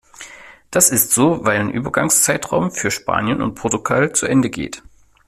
Das ist so, weil ein Übergangszeitraum für Spanien und Portugal zu Ende geht.